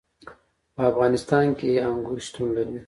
په افغانستان کې انګور شتون لري.